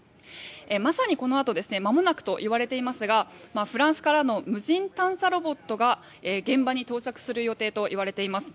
まさにこのあとまもなくといわれていますがフランスからの無人探査ロボットが現場に到着する予定といわれています。